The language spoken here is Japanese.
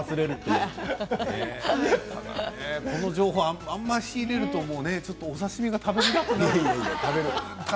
情報をあまし仕入れるとお刺身が食べづらくなる。